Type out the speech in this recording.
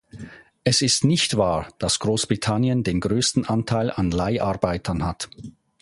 Es ist nicht wahr, dass Großbritannien den größten Anteil an Leiharbeitern hat.